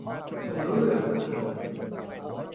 พูดไม่รู้เรื่อง